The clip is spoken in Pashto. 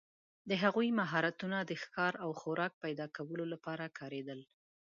د هغوی مهارتونه د ښکار او خوراک پیداکولو لپاره کارېدل.